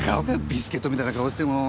ビスケットみたいな顔してもう。